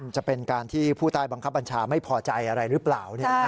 จะเป็นการที่ผู้ใต้บังคับบัญชาไม่พอใจอะไรหรือเปล่า